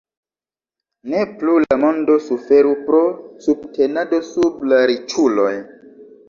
Ne plu la mondo suferu pro subtenado sub la riĉuloj